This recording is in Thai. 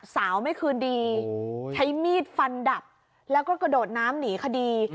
สาวไม่คืนดีใช้มีดฟันดับแล้วก็กระโดดน้ำหนีคดี